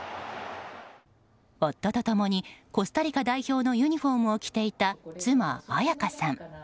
夫と共に、コスタリカ代表のユニホームを着ていた妻・彩夏さん。